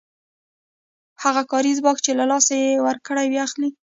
هغه کاري ځواک چې له لاسه یې ورکړی بیا اخلي